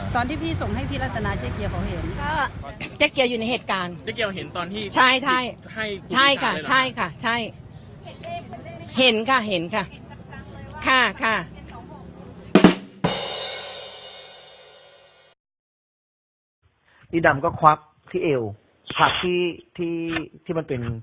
ตอนที่พี่ส่งให้พี่รัฐนาเจ๊เกียวเขาเห็น